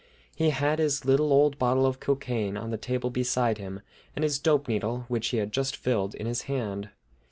He had his little old bottle of cocaine on the table beside him, and his dope needle, which he had just filled, in his hand.